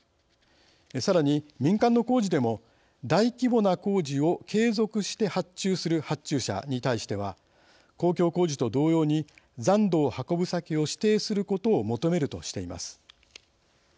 さらに、民間の工事でも大規模な工事を継続して発注する発注者に対しては公共工事と同様に残土を運ぶ先を指定することを求めるとしています。